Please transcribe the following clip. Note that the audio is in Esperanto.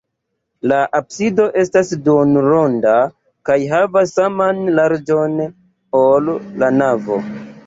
La absido estas duonronda kaj havas saman larĝon, ol la navo.